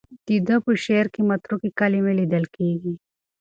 د ده په شعر کې متروکې کلمې لیدل کېږي.